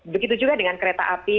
begitu juga dengan kereta api